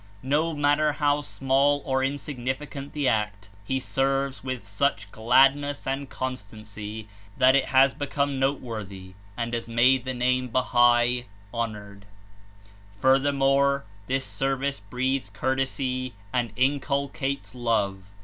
No matter how small or insignificant the act, he serves with such gladness and constancy that It has become noteworthy and has made the name Bahai honored. Furthermore, this service breeds courtesy and In culcates love.